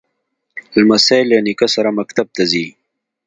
لمسی له نیکه سره مکتب ته ځي.